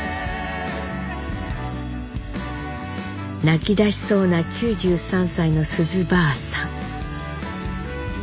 「泣き出しそうな９３才の須壽婆さん」。